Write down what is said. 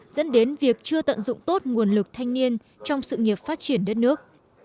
dẫn đến việc chưa tận dụng tốt nguồn lực thanh niên trong sự nghiệp phát triển đất nước